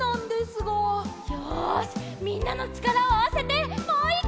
よしみんなのちからをあわせてもう１かい！